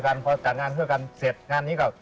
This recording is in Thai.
คนอื่นก็ตายอย่างนี้